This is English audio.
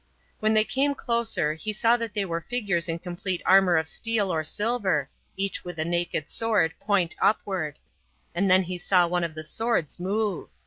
When they came closer he saw that they were figures in complete armour of steel or silver, each with a naked sword, point upward; and then he saw one of the swords move.